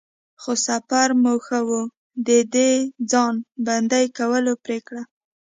خو سفر مو ښه و، د د ځان بندی کولو پرېکړه.